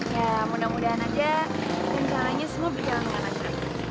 ya mudah mudahan aja rencananya semua berjalan dengan lancar